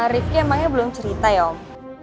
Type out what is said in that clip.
rifki emangnya belum cerita ya om